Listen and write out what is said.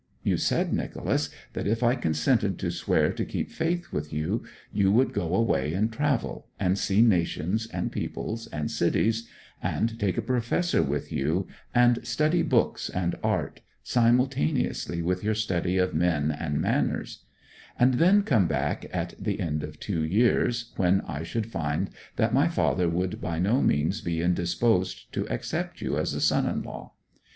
You said, Nicholas, that if I consented to swear to keep faith with you, you would go away and travel, and see nations, and peoples, and cities, and take a professor with you, and study books and art, simultaneously with your study of men and manners; and then come back at the end of two years, when I should find that my father would by no means be indisposed to accept you as a son in law.